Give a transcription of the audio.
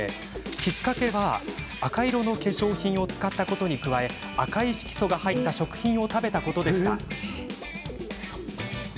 きっかけは赤色の化粧品を使ったことに加え赤い色素が入った食品を食べたことでした。